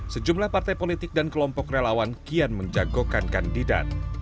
sejumlah partai politik dan kelompok relawan kian menjagokan kandidat